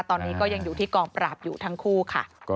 ตอนนี้ก็ยังอยู่ที่กองปราบอยู่ทั้งคู่ค่ะ